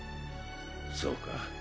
そうか。